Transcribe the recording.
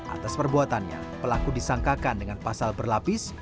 atas perbuatannya pelaku disangkakan dengan pasal berlapis